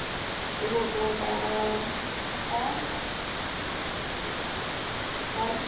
তবুও, ও দ্বারকা পার করতে পেরেছে, স্যার!